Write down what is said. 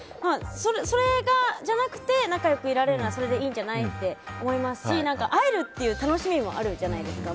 それじゃなくて仲良くいられるならそれでいいんじゃないって思いますし会えるっていう楽しみもあるじゃないですか。